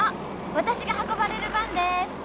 私が運ばれる番です！